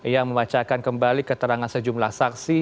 ia membacakan kembali keterangan sejumlah saksi